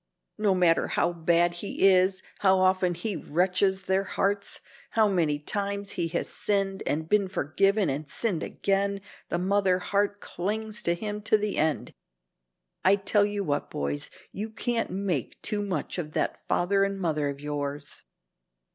No matter how bad he is, how often he wrenches their hearts, how many times he has sinned and been forgiven and sinned again, the mother heart clings to him to the end. I tell you what, boys, you can't make too much of that father and mother of yours."